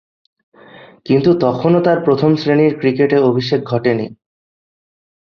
কিন্তু তখনো তার প্রথম-শ্রেণীর ক্রিকেটে অভিষেক ঘটেনি।